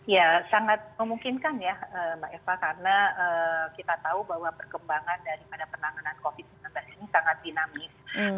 ya sangat memungkinkan ya mbak eva karena kita tahu bahwa perkembangan daripada penanganan covid sembilan belas ini sangat dinamis